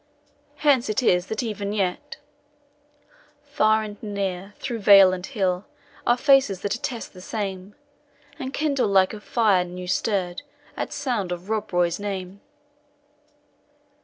Hence it is that even yet, Far and near, through vale and hill, Are faces that attest the same, And kindle like a fire new stirr'd, At sound of Rob Roy's name.